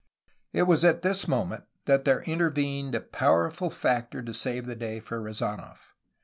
It was at this moment that there intervened a powerful factor to save the day for Rezanof.